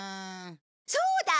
そうだ！